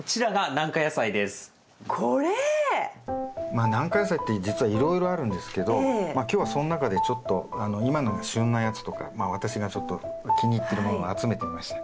まあ軟化野菜って実はいろいろあるんですけど今日はその中でちょっと今が旬なやつとか私がちょっと気に入ってるものを集めてみました。